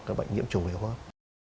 cái bệnh nhiễm trùng hô hấp